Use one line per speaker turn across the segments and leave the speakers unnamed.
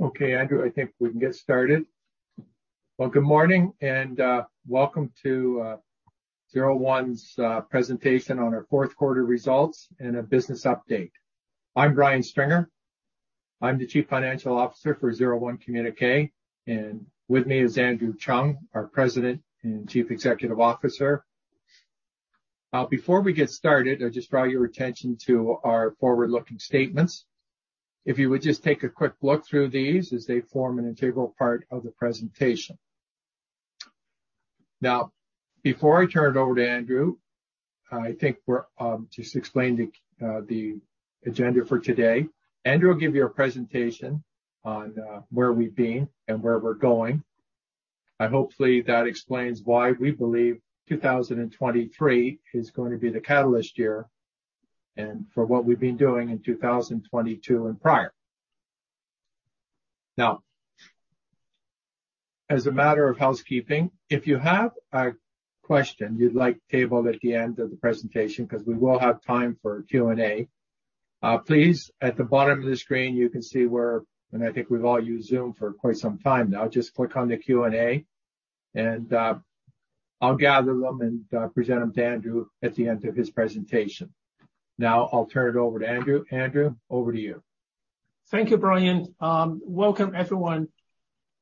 Andrew Cheung, I think we can get started. Well, good morning and welcome to 01's presentation on our fourth quarter results and a business update. I'm Brian Stringer. I'm the Chief Financial Officer for 01 Quantum Inc., and with me is Andrew Cheung, our President and Chief Executive Officer. Before we get started, I'd just draw your attention to our forward-looking statements. If you would just take a quick look through these as they form an integral part of the presentation. Before I turn it over to Andrew Cheung, I think we're just explaining the agenda for today. Andrew Cheung will give you a presentation on where we've been and where we're going. Hopefully, that explains why we believe 2023 is going to be the catalyst year and for what we've been doing in 2022 and prior. As a matter of housekeeping, if you have a question you'd like tabled at the end of the presentation because we will have time for Q&A, please, at the bottom of the screen, you can see where and I think we've all used Zoom for quite some time now. Just click on the Q&A, and I'll gather them and present them to Andrew at the end of his presentation. I'll turn it over to Andrew. Andrew, over to you.
Thank you, Brian. Welcome, everyone.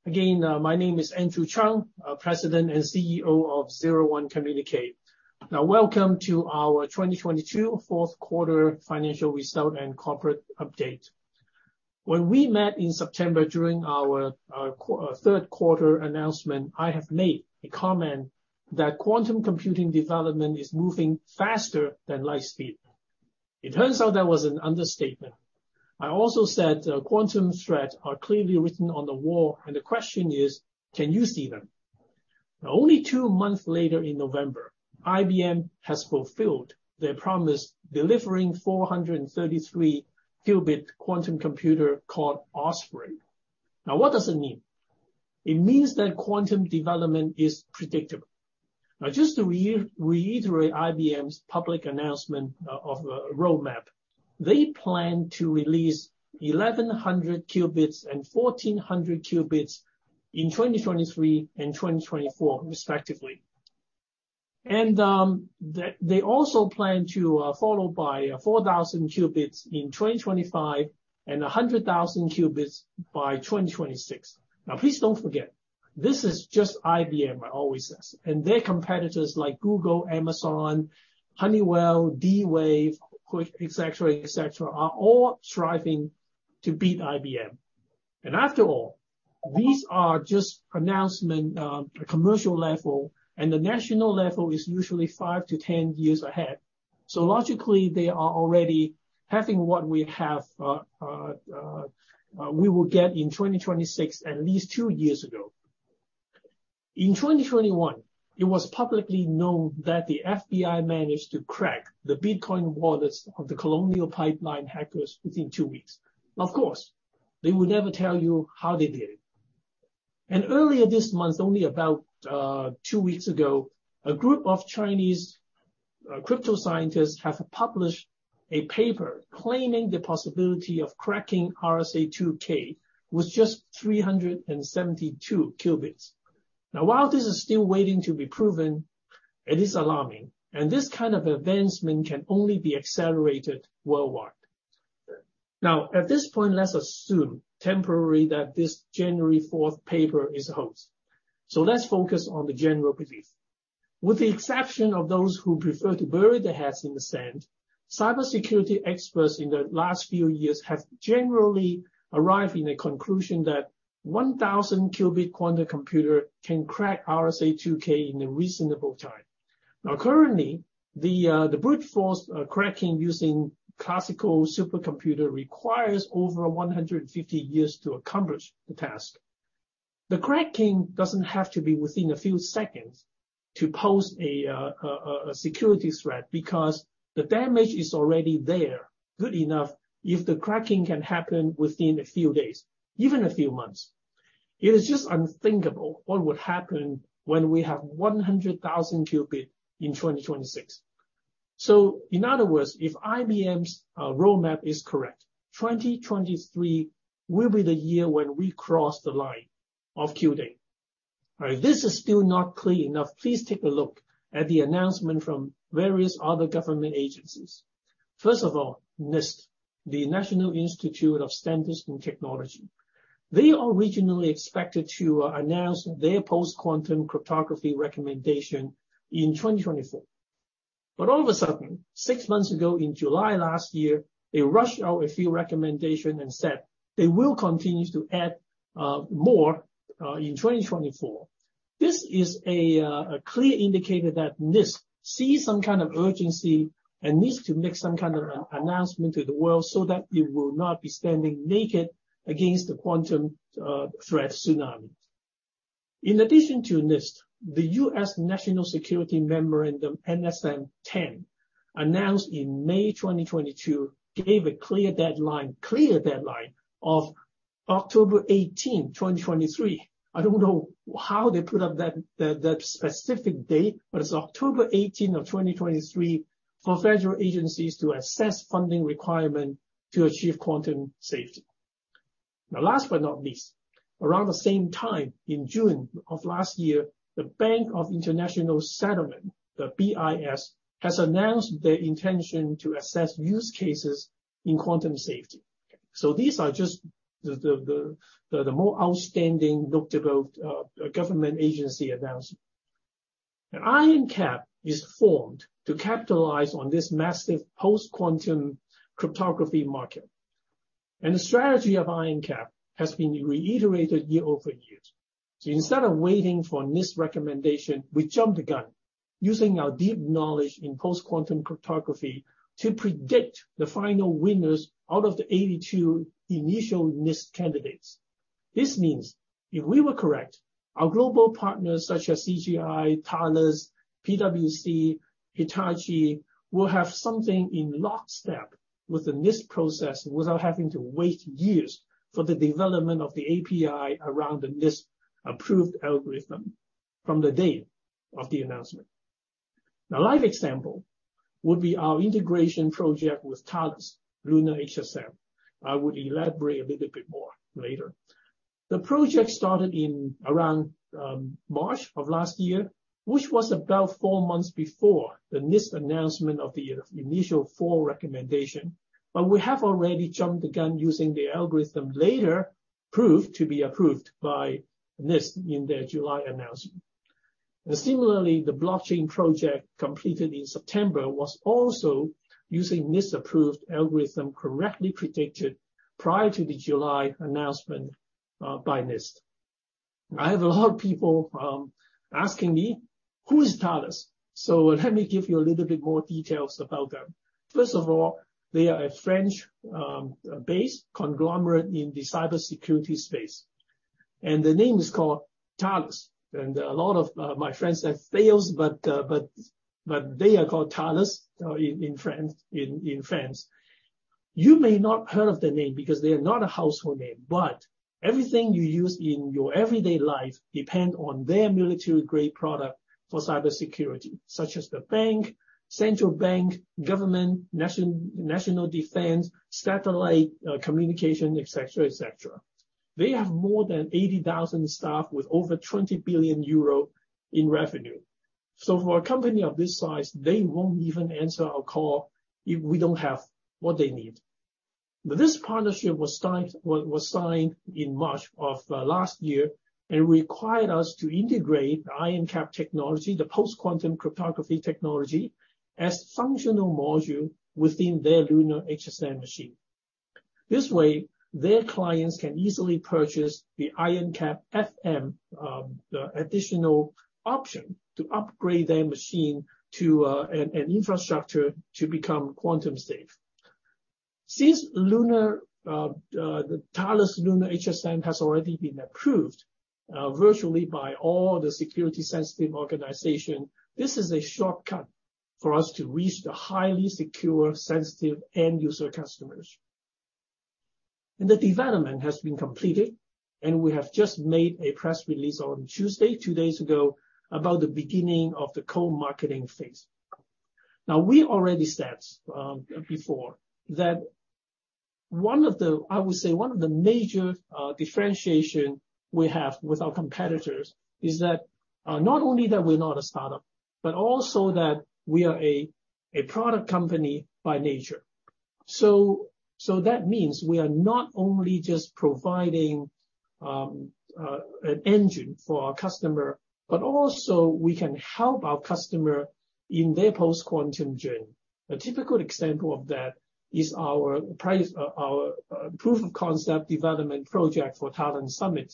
Again, my name is Andrew Cheung, President and CEO of 01 Quantum Inc. Welcome to our 2022 fourth quarter financial result and corporate update. When we met in September during our third quarter announcement, I have made a comment that quantum computing development is moving faster than light speed. It turns out that was an understatement. I also said quantum threats are clearly written on the wall, the question is, can you see them? Only two months later, in November, IBM has fulfilled their promise delivering 433-qubit quantum computers called Osprey. What does it mean? It means that quantum development is predictable. Just to reiterate IBM's public announcement of a roadmap, they plan to release 1,100 qubits and 1,400 qubits in 2023 and 2024, respectively. They also plan to follow by 4,000 qubits in 2025 and 100,000 qubits by 2026. Please don't forget, this is just IBM, I always say. Their competitors like Google, Amazon, Honeywell, D-Wave, etc., etc., are all striving to beat IBM. After all, these are just announcements at commercial level, and the national level is usually 5-10 years ahead. Logically, they are already having what we will get in 2026 at least two years ago. In 2021, it was publicly known that the FBI managed to crack the Bitcoin wallets of the Colonial Pipeline hackers within two weeks. Of course, they would never tell you how they did it. Earlier this month, only about two weeks ago, a group of Chinese crypto scientists have published a paper claiming the possibility of cracking RSA-2K with just 372 qubits. While this is still waiting to be proven, it is alarming. This kind of advancement can only be accelerated worldwide. At this point, let's assume, temporarily, that this January 4th paper is a hoax. Let's focus on the general belief. With the exception of those who prefer to bury their heads in the sand, cybersecurity experts in the last few years have generally arrived at the conclusion that 1,000-qubit quantum computers can crack RSA-2K in a reasonable time. Currently, the brute-force cracking using classical supercomputers requires over 150 years to accomplish the task. The cracking doesn't have to be within a few seconds to pose a security threat because the damage is already there good enough if the cracking can happen within a few days, even a few months. It is just unthinkable what would happen when we have 100,000 qubits in 2026. In other words, if IBM's roadmap is correct, 2023 will be the year when we cross the line of Q-Day. If this is still not clear enough, please take a look at the announcement from various other government agencies. First of all, NIST, the National Institute of Standards and Technology. They are originally expected to announce their post-quantum cryptography recommendation in 2024. All of a sudden, six months ago, in July last year, they rushed out a few recommendations and said they will continue to add more in 2024. This is a clear indicator that NIST sees some kind of urgency and needs to make some kind of an announcement to the world so that it will not be standing naked against the quantum threat tsunami. In addition to NIST, the U.S. National Security Memorandum, NSM-10, announced in May 2022, gave a clear deadline of October 18, 2023. I don't know how they put up that specific date, but it's October 18 of 2023 for federal agencies to assess funding requirements to achieve quantum safety. Last but not least, around the same time, in June of last year, the Bank for International Settlements, the BIS, has announced their intention to assess use cases in quantum safety. These are just the more outstanding, notable government agency announcements. IronCAP is formed to capitalize on this massive post-quantum cryptography market. The strategy of IronCAP has been reiterated year-over-year. Instead of waiting for NIST's recommendation, we jumped the gun using our deep knowledge in post-quantum cryptography to predict the final winners out of the 82 initial NIST candidates. This means if we were correct, our global partners such as CGI, Thales, PwC, Hitachi will have something in lockstep with the NIST process without having to wait years for the development of the API around the NIST-approved algorithm from the day of the announcement. A live example would be our integration project with Thales, Luna HSM. I will elaborate a little bit more later. The project started around March of last year, which was about four months before the NIST announcement of the initial four recommendations. We have already jumped the gun using the algorithm later proved to be approved by NIST in their July announcement. Similarly, the blockchain project completed in September was also using NIST-approved algorithms correctly predicted prior to the July announcement by NIST. I have a lot of people asking me, "Who is Thales?" Let me give you a little bit more details about them. First of all, they are a French-based conglomerate in the cybersecurity space. The name is called Thales. A lot of my friends say, "Thales," they are called Thales in France. You may not have heard of the name because they are not a household name. Everything you use in your everyday life depends on their military-grade product for cybersecurity, such as the bank, central bank, government, national defense, satellite communication, etc., etc. They have more than 80,000 staff with over 20 billion euro in revenue. For a company of this size, they won't even answer our call if we don't have what they need. This partnership was signed in March of last year, required us to integrate IronCAP technology, the post-quantum cryptography technology, as a functional module within their Luna HSM machine. This way, their clients can easily purchase the IronCAP FM additional option to upgrade their machine and infrastructure to become quantum-safe. Since Thales Luna HSM has already been approved virtually by all the security-sensitive organizations, this is a shortcut for us to reach the highly secure, sensitive, end-user customers. The development has been completed, and we have just made a press release on Tuesday, two days ago, about the beginning of the co-marketing phase. We already said before that one of the major differentiations we have with our competitors is that not only that we're not a startup, but also that we are a product company by nature. That means we are not only just providing an engine for our customer, but also we can help our customer in their post-quantum journey. A typical example of that is our proof-of-concept development project for Thales Summit.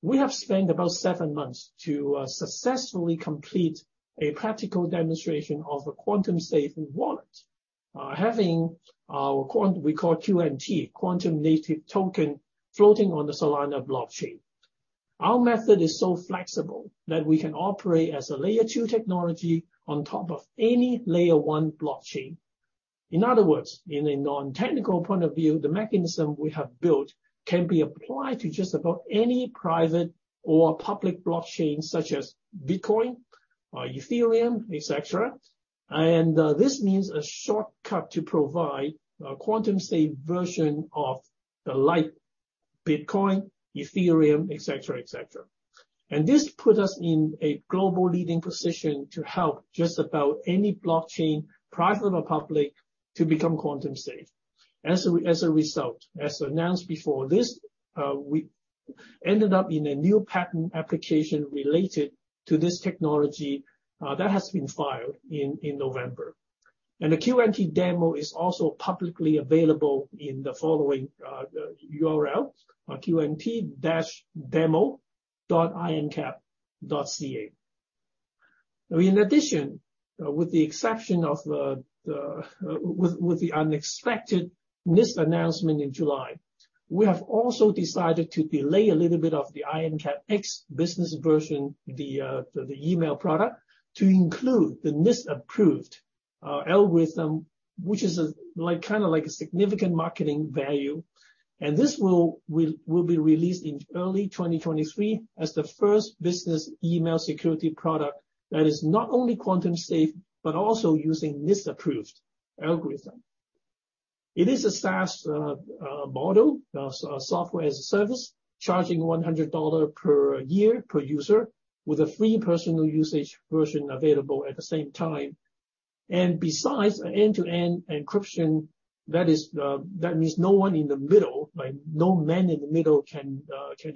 We have spent about seven months to successfully complete a practical demonstration of a quantum-safe wallet, having our we call QNT, Quantum Native Token, floating on the Solana blockchain. Our method is so flexible that we can operate as a layer two technology on top of any layer one blockchain. In other words, in a non-technical point of view, the mechanism we have built can be applied to just about any private or public blockchain, such as Bitcoin, Ethereum, etc. This means a shortcut to provide a quantum-safe version of the light Bitcoin, Ethereum, etc., etc. This puts us in a global leading position to help just about any blockchain, private or public, to become quantum-safe. As a result, as announced before, we ended up in a new patent application related to this technology that has been filed in November. The QNT demo is also publicly available in the following URL: qnt-demo.ironcap.ca. In addition, with the exception of the unexpected NIST announcement in July, we have also decided to delay a little bit of the IronCAP X business version, the email product, to include the NIST-approved algorithm, which is kind of like a significant marketing value. This will be released in early 2023 as the first business email security product that is not only quantum-safe but also using NIST-approved algorithms. It is a SaaS model, software as a service, charging $100 per year, per user, with a free personal usage version available at the same time. Besides end-to-end encryption, that means no one in the middle, no man in the middle can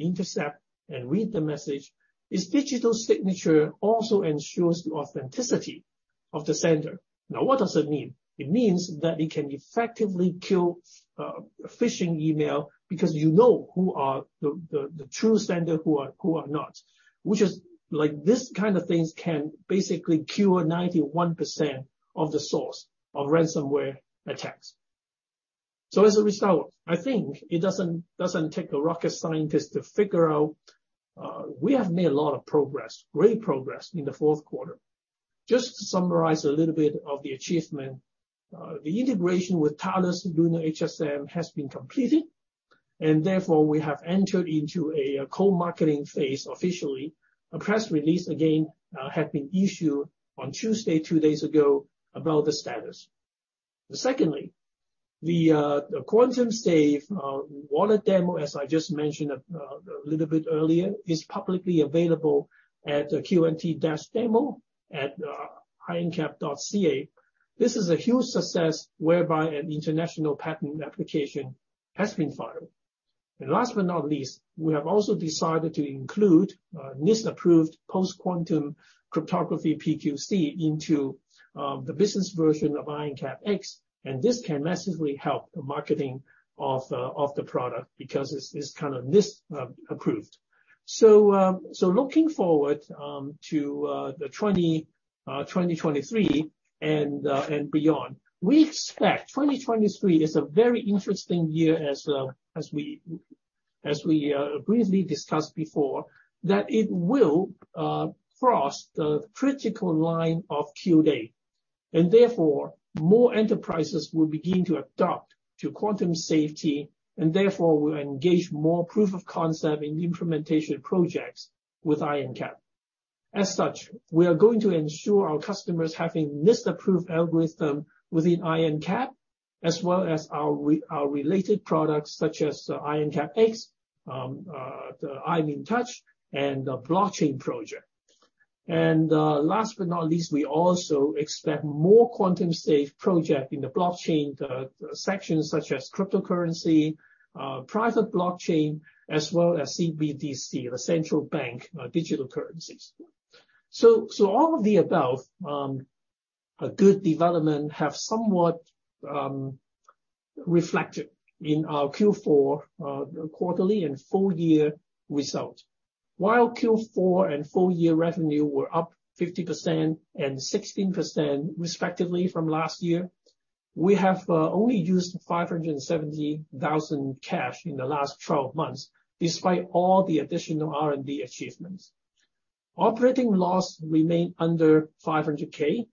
intercept and read the message. Its digital signature also ensures the authenticity of the sender. Now, what does it mean? It means that it can effectively kill phishing emails because you know who are the true sender, who are not, which is this kind of thing can basically cure 91% of the source of ransomware attacks. As a result, I think it doesn't take a rocket scientist to figure out we have made a lot of progress, great progress, in the fourth quarter. Just to summarize a little bit of the achievement, the integration with Thales Luna HSM has been completed. Therefore, we have entered into a co-marketing phase officially. A press release, again, had been issued on Tuesday, two days ago, about the status. Secondly, the quantum-safe wallet demo, as I just mentioned a little bit earlier, is publicly available at qnt-demo.ironcap.ca. This is a huge success whereby an international patent application has been filed. Last but not least, we have also decided to include NIST-approved post-quantum cryptography PQC into the business version of IronCAP X. This can massively help the marketing of the product because it's kind of NIST-approved. Looking forward to 2023 and beyond, we expect 2023 is a very interesting year, as we briefly discussed before, that it will cross the critical line of Q-Day. Therefore, more enterprises will begin to adopt to quantum safety. Therefore, we'll engage more proof-of-concept and implementation projects with IronCAP. As such, we are going to ensure our customers have a NIST-approved algorithm within IronCAP, as well as our related products such as IronCAP X, the I'm InTouch, and the blockchain project. Last but not least, we also expect more quantum-safe projects in the blockchain section, such as cryptocurrency, private blockchain, as well as CBDC, the central bank digital currencies. All of the above, good development, have somewhat reflected in our Q4 quarterly and full-year results. While Q4 and full-year revenue were up 50% and 16%, respectively, from last year, we have only used 570,000 cash in the last 12 months, despite all the additional R&D achievements. Operating loss remained under 500,000,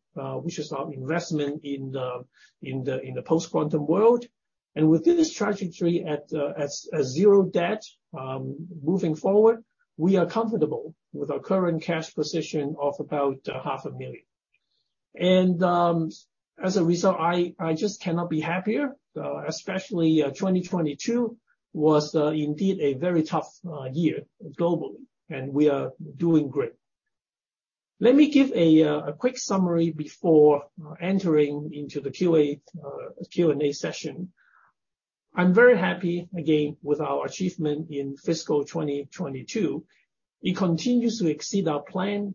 which is our investment in the post-quantum world. With this trajectory at zero debt moving forward, we are comfortable with our current cash position of about half a million. As a result, I just cannot be happier, especially 2022 was, indeed, a very tough year globally. We are doing great. Let me give a quick summary before entering into the Q&A session. I'm very happy, again, with our achievement in fiscal 2022. It continues to exceed our plan.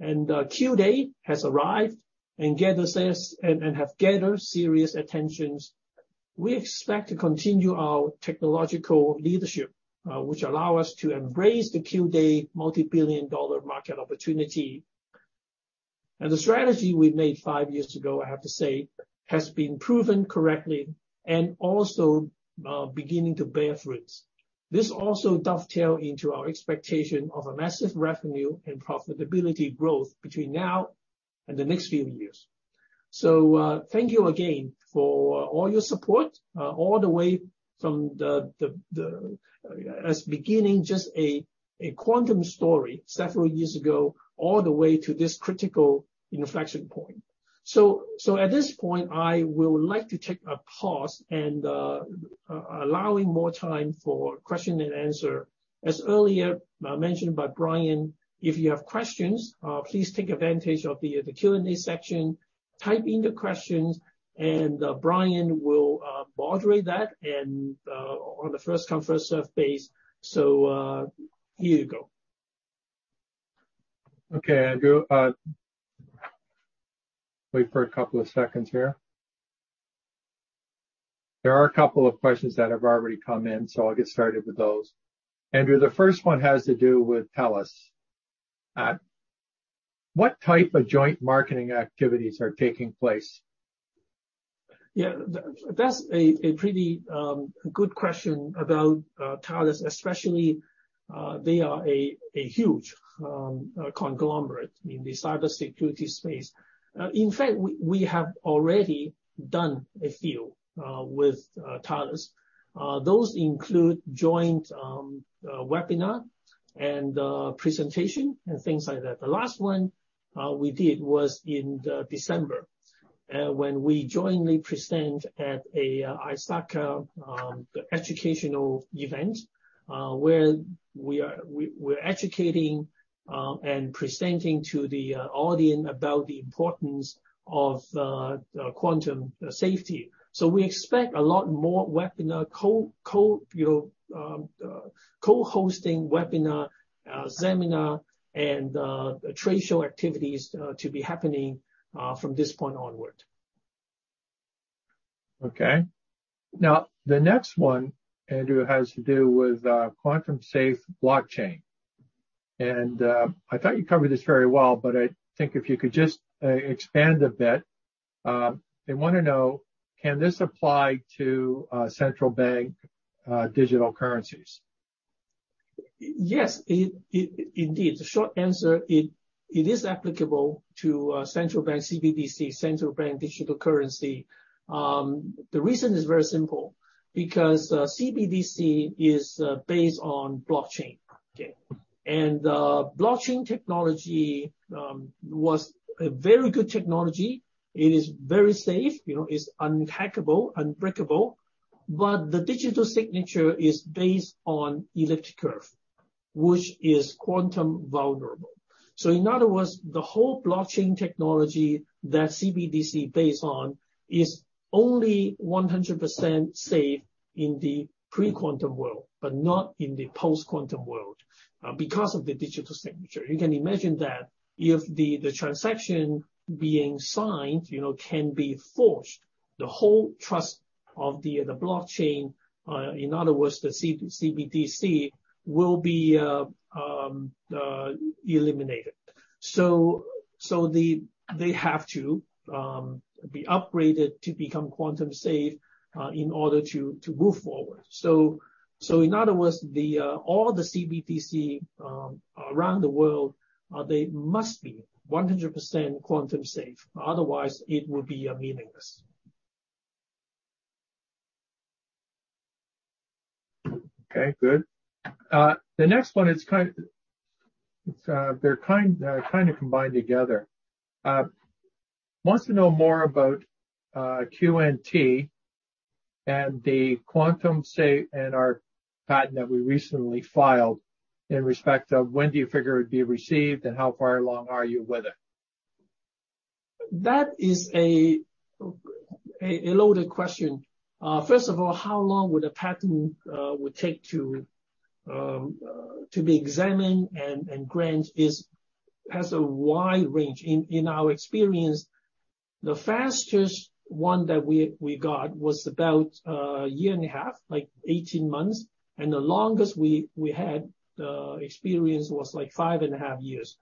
Q-Day has arrived and has gathered serious attention. We expect to continue our technological leadership, which allows us to embrace the Q-Day multibillion-dollar market opportunity. The strategy we made five years ago, I have to say, has been proven correctly and also beginning to bear fruits. This also dovetails into our expectation of a massive revenue and profitability growth between now and the next few years. Thank you again for all your support all the way from the beginning, just a quantum story several years ago, all the way to this critical inflection point. At this point, I will like to take a pause and allow more time for question and answer. As earlier mentioned by Brian, if you have questions, please take advantage of the Q&A section, type in the questions. Brian will moderate that on a first-come, first-served basis. Here you go.
Okay, Andrew. Wait for a couple of seconds here. There are a couple of questions that have already come in. I'll get started with those. Andrew, the first one has to do with Thales. What type of joint marketing activities are taking place?
Yeah. That's a pretty good question about Thales, especially they are a huge conglomerate in the cybersecurity space. In fact, we have already done a few with Thales. Those include joint webinar and presentation and things like that. The last one we did was in December when we jointly presented at ISACA, the educational event, where we're educating and presenting to the audience about the importance of quantum safety. We expect a lot more webinar, co-hosting webinar, seminar, and trade show activities to be happening from this point onward. Okay. The next one, Andrew, has to do with quantum-safe blockchain. I thought you covered this very well. I think if you could just expand a bit, they want to know, can this apply to central bank digital currencies? Yes, indeed. The short answer, it is applicable to central bank CBDC, central bank digital currency. The reason is very simple because CBDC is based on blockchain. Blockchain technology was a very good technology. It is very safe. It's unhackable, unbreakable. The digital signature is based on elliptic curve, which is quantum vulnerable. In other words, the whole blockchain technology that CBDC is based on is only 100% safe in the pre-quantum world but not in the post-quantum world because of the digital signature. You can imagine that if the transaction being signed can be forged, the whole trust of the blockchain, in other words, the CBDC, will be eliminated. They have to be upgraded to become quantum-safe in order to move forward. In other words, all the CBDC around the world, they must be 100% quantum-safe. Otherwise, it would be meaningless.
Okay, good. The next one, they're kind of combined together. Wants to know more about QNT and our patent that we recently filed in respect of when do you figure it would be received and how far along are you with it?
That is a loaded question. First of all, how long would a patent take to be examined and grant has a wide range. In our experience, the fastest one that we got was about a year and a half, like 18 months. The longest we had experience was like five and a half years.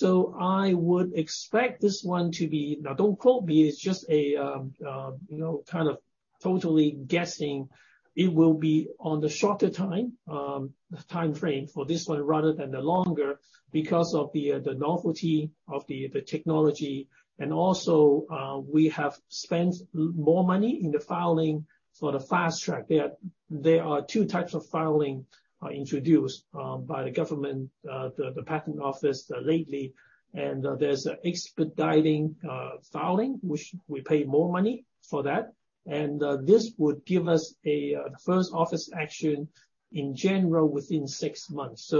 I would expect this one to be now, don't quote me. It's just kind of totally guessing. It will be on the shorter time frame for this one rather than the longer because of the novelty of the technology. Also, we have spent more money in the filing for the fast track. There are two types of filing introduced by the government, the patent office, lately. There's expediting filing, which we pay more money for that. This would give us the first office action, in general, within six months.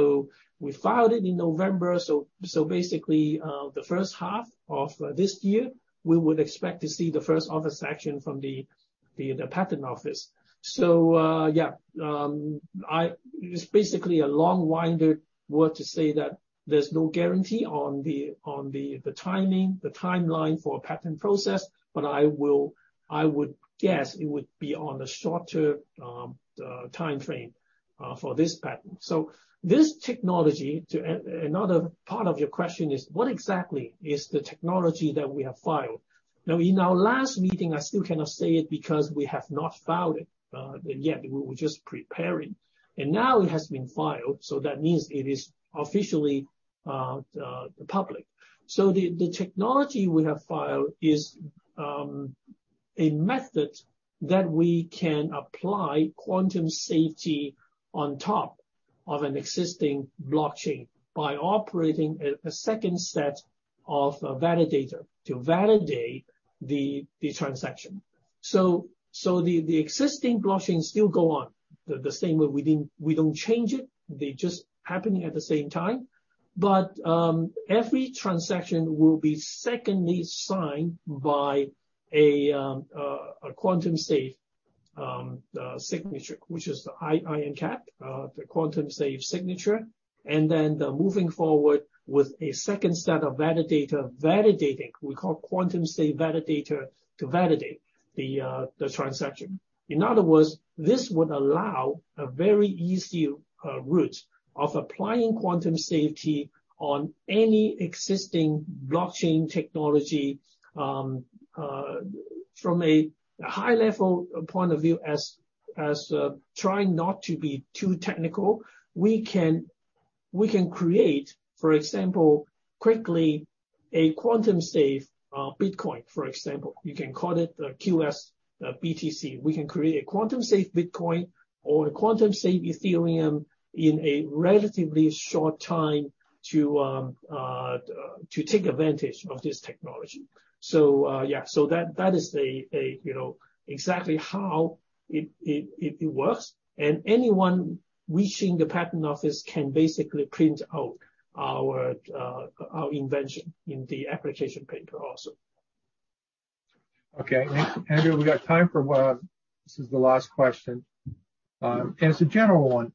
We filed it in November. Basically, the first half of this year, we would expect to see the first office action from the patent office. Yeah, it's basically a long-winded word to say that there's no guarantee on the timeline for a patent process. I would guess it would be on the shorter time frame for this patent. This technology, another part of your question is, what exactly is the technology that we have filed? Now, in our last meeting, I still cannot say it because we have not filed it yet. We were just preparing. Now, it has been filed. That means it is officially public. The technology we have filed is a method that we can apply quantum safety on top of an existing blockchain by operating a second set of validator to validate the transaction. The existing blockchains still go on the same way. We don't change it. They're just happening at the same time. Every transaction will be secondly signed by a quantum-safe signature, which is the IronCAP, the quantum-safe signature. Then moving forward with a second set of validator validating, we call quantum-safe validator to validate the transaction. In other words, this would allow a very easy route of applying quantum safety on any existing blockchain technology. From a high-level point of view, as trying not to be too technical, we can create, for example, quickly a quantum-safe Bitcoin, for example. You can call it QSBTC. We can create a quantum-safe Bitcoin or a quantum-safe Ethereum in a relatively short time to take advantage of this technology. Yeah, that is exactly how it works. Anyone reaching the patent office can basically print out our invention in the application paper also.
Okay. Andrew, we got time for this is the last question. It's a general one.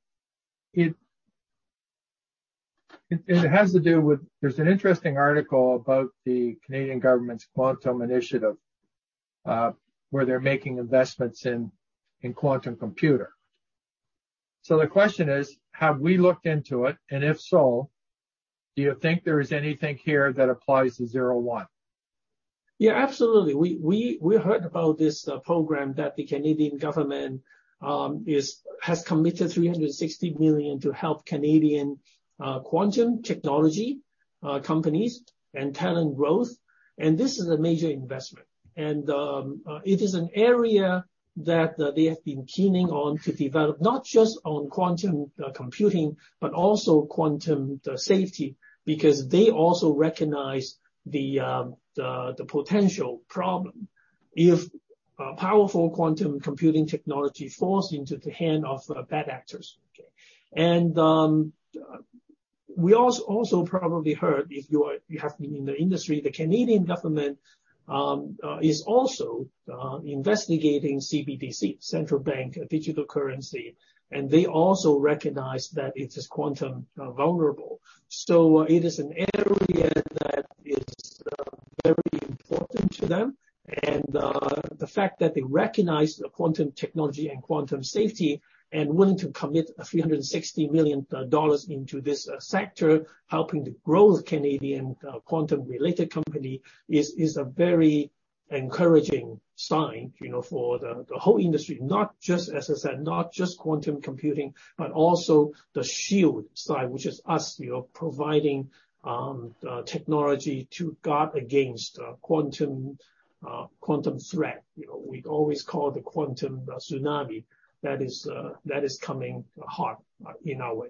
It has to do with there's an interesting article about the Canadian government's quantum initiative where they're making investments in quantum computer. The question is, have we looked into it? If so, do you think there is anything here that applies to 01?
Yeah, absolutely. We heard about this program that the Canadian government has committed 360 million to help Canadian quantum technology companies and talent growth. This is a major investment. It is an area that they have been keen on to develop, not just on quantum computing but also quantum safety because they also recognize the potential problem if powerful quantum computing technology falls into the hand of bad actors. We also probably heard, if you have been in the industry, the Canadian government is also investigating CBDC, central bank digital currency. They also recognize that it is quantum vulnerable. It is an area that is very important to them. The fact that they recognize the quantum technology and quantum safety and willing to commit $360 million into this sector helping to grow the Canadian quantum-related company is a very encouraging sign for the whole industry, not just, as I said, not just quantum computing but also the shield side, which is us providing technology to guard against quantum threat. We always call it the quantum tsunami. That is coming hard in our way.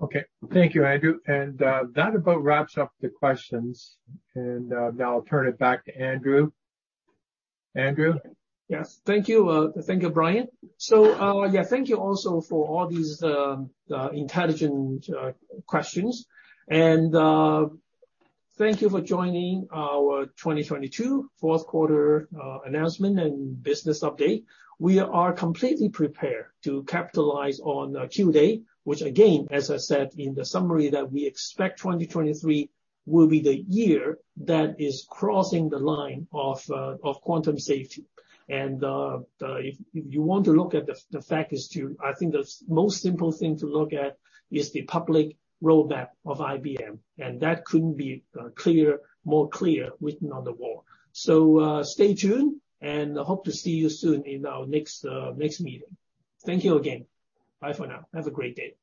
Okay. Thank you, Andrew. That about wraps up the questions. Now, I'll turn it back to Andrew. Andrew?
Yes. Thank you. Thank you, Brian. Thank you also for all these intelligent questions. Thank you for joining our 2022 fourth-quarter announcement and business update. We are completely prepared to capitalize on Q-Day, which, again, as I said in the summary that we expect 2023 will be the year that is crossing the line of quantum safety. If you want to look at the facts, I think the most simple thing to look at is the public roadmap of IBM. That couldn't be more clear written on the wall. Stay tuned. I hope to see you soon in our next meeting. Thank you again. Bye for now. Have a great day.